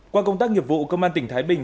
qua công tác nghiệp vụ cơ quan tỉnh thái bình